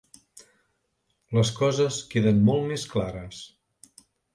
Les coses queden molt més clares.